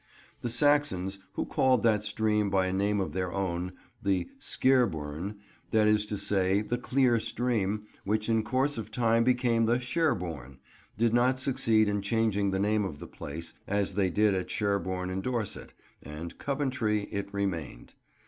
The Saxons, who called that stream by a name of their own, the "Scir burn," that is to say, the "clear stream"—which in course of time became the "Sherborne"—did not succeed in changing the name of the place, as they did at Sherborne in Dorset; and "Coventry" it remained.